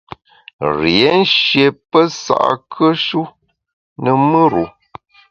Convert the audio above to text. Rié nshié pesa’kùe-shu ne mùr-u.